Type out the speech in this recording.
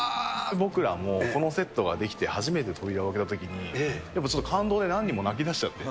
僕らもこのセットが出来て初めて扉を開けたときに、感動で何人も泣きだしちゃって。